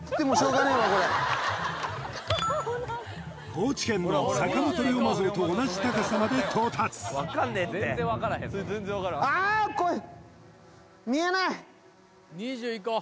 高知県の坂本龍馬像と同じ高さまで到達あっ怖え！